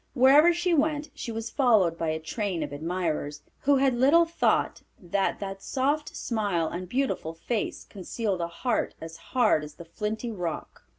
Wherever she went she was followed by a train of admirers, who had little thought that that soft smile and beautiful face concealed a heart as hard as the flinty rock.